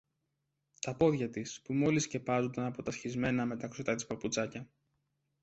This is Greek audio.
Τα πόδια της που μόλις σκεπάζονταν από τα σχισμένα μεταξωτά της παπουτσάκια